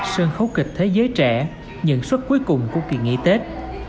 sân khấu kịch thế giới trẻ nhận xuất cuối cùng của kỳ nghỉ tết